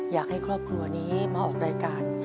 อยากให้ครอบครัวนี้มาออกรายการ